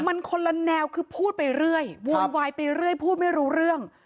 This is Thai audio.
มันคนละแนวคือพูดไปเรื่อยโวยวายไปเรื่อยพูดไม่รู้เรื่อง